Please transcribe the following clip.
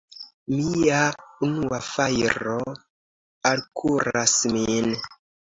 Mia unua fajro alkuras min!